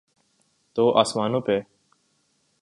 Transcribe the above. تو آسمانوں پہ۔